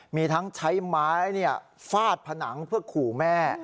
มีทั้งใช้ไม้ฟาดผนังเพื่อขู่แม่